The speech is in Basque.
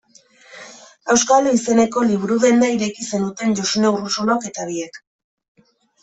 Auskalo izeneko liburu-denda ireki zenuten Josune Urrosolok eta biek.